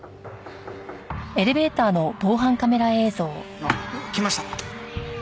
あっ！来ました。